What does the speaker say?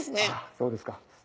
そうですか。